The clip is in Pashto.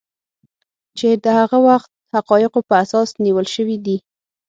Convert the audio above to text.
چې د هغه وخت حقایقو په اساس نیول شوي دي